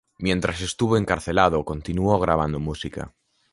Mientras estuvo encarcelado, continuó grabando música.